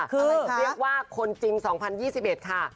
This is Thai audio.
คือเรียกว่าคนจริง๒๐๒๑ค่ะ